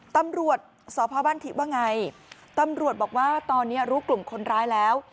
ตำรวจสพบ้านทิว่าไงตำรวจบอกว่าตอนนี้รู้กลุ่มคนร้ายแล้ว